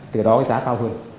từ đó cái giá cao hơn